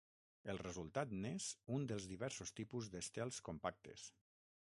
El resultat n'és un dels diversos tipus d'estels compactes.